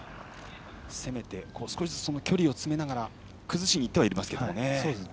攻めて少しずつ距離を詰めながら崩しにいってはいますけどね。